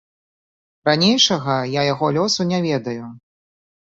Ранейшага я яго лёсу не ведаю.